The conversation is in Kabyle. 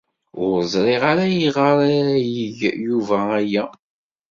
Ur ẓriɣ ara ayɣer ara yeg Yuba aya.